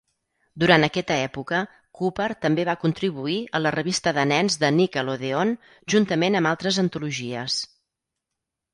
Durant aquesta època, Cooper també va contribuir a la revista de nens de Nickelodeon juntament amb altres antologies.